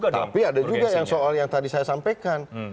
tapi ada juga yang soal yang tadi saya sampaikan